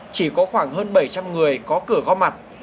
chỉ có khoảng hơn bảy trăm linh người có cửa gom mặt